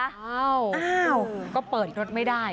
อ้าวก็เปิดรถไม่ได้